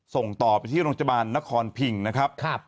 ส่งต่อไปที่โรงพยาบาลนครพิงนะครับ